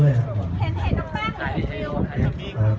เห็นกับเธอด้วยนะครับ